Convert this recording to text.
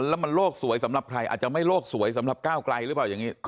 แล้วมันโลกสวยสำหรับใครอาจจะไม่โลกสวยสำหรับก้าวไกลหรือเปล่าอย่างนี้